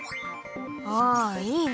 ああいいね。